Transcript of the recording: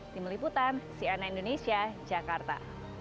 dimeliputan cna indonesia jakarta